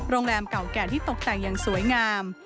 โรงแรมเก่าแก่ที่ตกแต่งอย่างสวยงาม